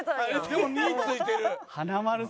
でも２ついてる。